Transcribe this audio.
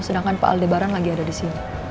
sedangkan pak aldebaran sedang ada di sini